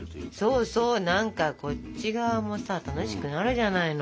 そうそう何かこっち側もさ楽しくなるじゃないの。